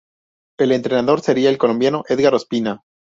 El entrenador sería el colombiano Édgar Ospina.